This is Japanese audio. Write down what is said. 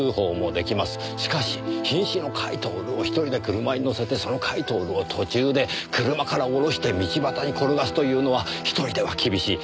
しかし瀕死の甲斐享を１人で車に乗せてその甲斐享を途中で車から降ろして道端に転がすというのは１人では厳しい。